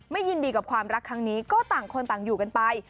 ยินดีกับความรักครั้งนี้ก็ต่างคนต่างอยู่กันไป